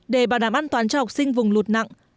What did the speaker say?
để bảo đảm an toàn cho học sinh vùng lụt nặng